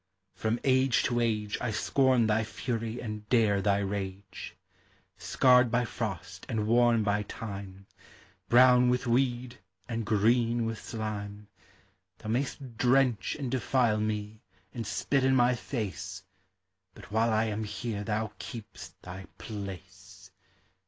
From age to age I scorn thy fury and dare thy rage. THE SEA. 419 Scarred by frost and worn by time, Brown with weed and green with slinic Thou mays! drench and defile me and spit in my face. But while I am here thou keep'sl thy place!